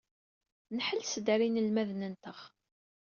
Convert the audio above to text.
Nḥelles-d ɣer yinelmaden-nteɣ.